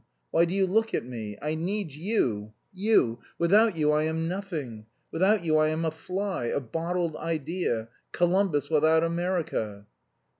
Why do you look at me? I need you, you; without you I am nothing. Without you I am a fly, a bottled idea; Columbus without America."